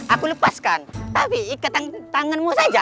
aku lepaskan tapi ikat tanganmu saja